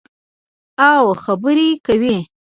او خبرې کوي.